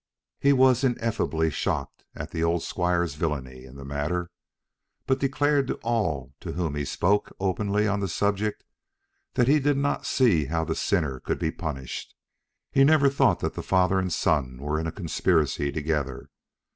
He was ineffably shocked at the old squire's villany in the matter, but declared to all to whom he spoke openly on the subject that he did not see how the sinner could be punished. He never thought that the father and son were in a conspiracy together.